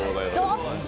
ちょっと！